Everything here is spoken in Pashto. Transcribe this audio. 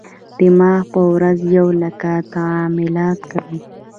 دماغ په ورځ یو لک تعاملات کوي.